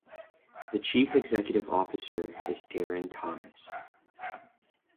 The chief executive officer is Darren Thomas.